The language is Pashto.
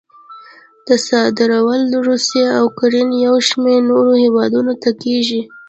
دا صادرول روسیې، اوکراین او یو شمېر نورو هېوادونو ته کېږي.